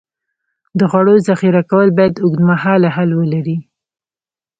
د خوړو ذخیره کول باید اوږدمهاله حل ولري.